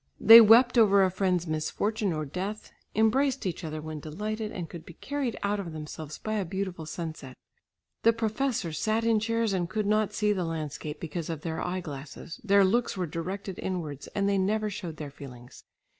They wept over a friend's misfortune or death, embraced each other when delighted and could be carried out of themselves by a beautiful sunset. The professors sat in chairs and could not see the landscape because of their eye glasses, their looks were directed inwards, and they never showed their feelings.